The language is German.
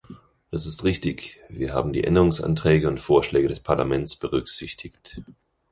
Das ist richtig, wir haben die Änderungsanträge und Vorschläge des Parlaments berücksichtigt.